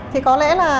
thì có lẽ là